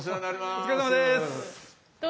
お疲れさまです。